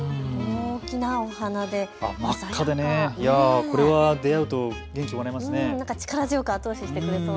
大きなお花で、真っ赤でこれは出会うと元気、出ますね。